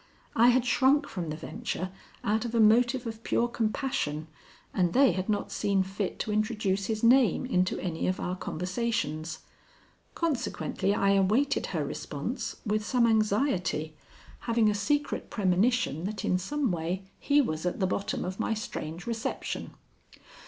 I had shrunk from the venture out of a motive of pure compassion, and they had not seen fit to introduce his name into any of our conversations. Consequently I awaited her response, with some anxiety, having a secret premonition that in some way he was at the bottom of my strange reception.